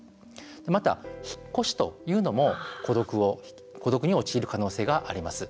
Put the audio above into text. また、引っ越しというのも孤独に陥る可能性があります。